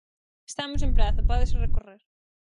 Estamos en prazo, pódese recorrer.